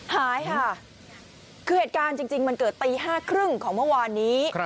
หายค่ะคือเหตุการณ์จริงมันเกิดตี๕๓๐ของเมื่อวานนี้